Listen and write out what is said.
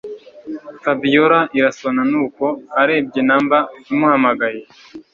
Fabiora irasona nuko arebye Number imuhamagaye